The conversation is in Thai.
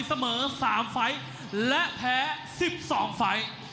เสมอ๓ไฟล์และแพ้๑๒ไฟล์